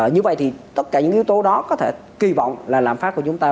như vậy thì tất cả những yếu tố đó có thể kỳ vọng là lạm phát của chúng ta